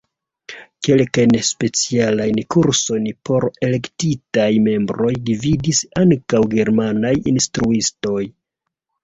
Kelkajn specialajn kursojn por elektitaj membroj gvidis ankaŭ germanaj instruistoj.